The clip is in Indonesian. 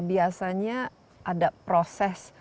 biasanya ada proses